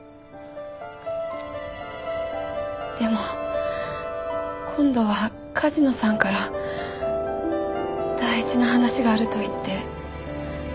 でも今度は梶野さんから大事な話があるといって呼び出されました。